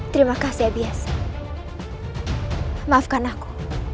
terima kasih biasa maafkan aku